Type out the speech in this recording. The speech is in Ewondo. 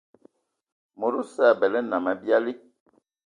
Mod osə abələ nnam abiali.